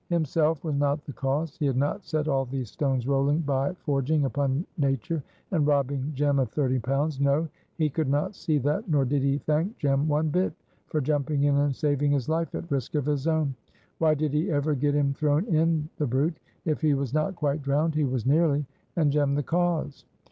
Himself was not the cause. He had not set all these stones rolling by forging upon nature and robbing Jem of thirty pounds. No! he could not see that, nor did he thank Jem one bit for jumping in and saving his life at risk of his own. "Why did he ever get him thrown in, the brute? If he was not quite drowned he was nearly, and Jem the cause."